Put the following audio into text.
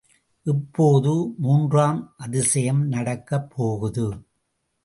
இப்போது மூன்றாம் அதிசயம் நடக்கப் போகுது.